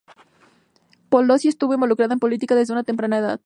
Pelosi estuvo involucrada en política desde una temprana edad.